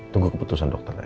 tunggu keputusan dokter aja